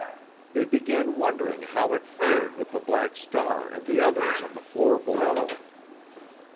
They began wondering how it fared with the Black Star and the others on the floor below.